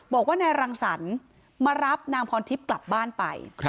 บอกว่านายรังสรรค์มารับนางพรทิพย์กลับบ้านไป